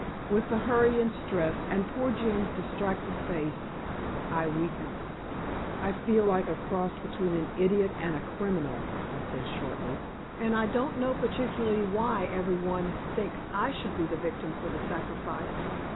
With the hurry and stress, and poor Jim's distracted face, I weakened. "I feel like a cross between an idiot and a criminal," I said shortly, "and I don't know particularly why every one thinks I should be the victim for the sacrifice.